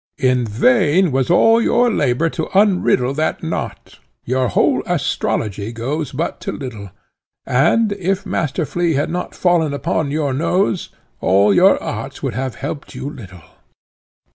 In vain was all your labour to unriddle that knot; your whole astrology goes but to little; and, if Master Flea had not fallen upon your nose, all your arts would have helped you little."